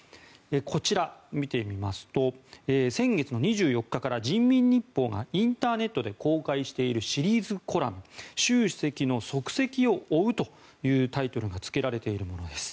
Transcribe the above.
こちら、見てみますと先月２４日から人民日報がインターネットで公開しているシリーズコラム「習主席の足跡を追う」というタイトルがつけられているんです。